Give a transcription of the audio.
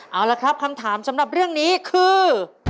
เอาละครับคำถามสำหรับเรื่องนี้คือ